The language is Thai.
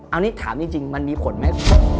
อันนี้ถามจริงมันมีผลไหม